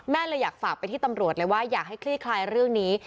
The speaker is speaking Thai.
เลยอยากฝากไปที่ตำรวจเลยว่าอยากให้คลี่คลายเรื่องนี้